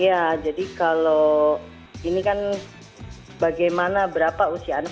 iya jadi kalau ini kan bagaimana berapa usia anak